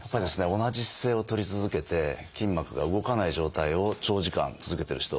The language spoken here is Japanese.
同じ姿勢をとり続けて筋膜が動かない状態を長時間続けてる人。